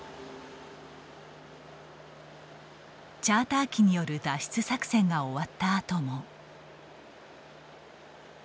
チャーター機による脱出作戦が終わった後も。